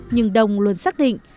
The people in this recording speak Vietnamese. nhưng đồng luôn xác định